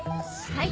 はい。